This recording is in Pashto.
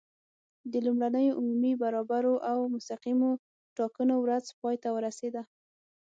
د لومړنیو عمومي، برابرو او مستقیمو ټاکنو ورځ پای ته ورسېده.